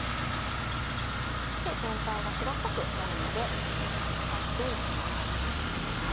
そして全体が白っぽくなるまで焼いて行きます。